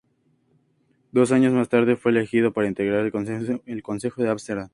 Dos años más tarde, fue elegido para integrar el consejo de Ámsterdam.